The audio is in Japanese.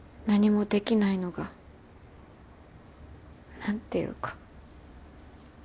何もできないのが何ていうか。